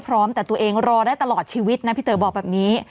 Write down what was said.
แต่ตัวเองรอได้ตลอดชีวิตนะพี่เต๋อบอกแบบนี้